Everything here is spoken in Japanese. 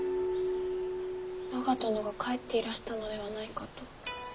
我が殿が帰っていらしたのではないかと。